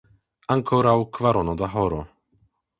Ankoraŭ kvarono da horo.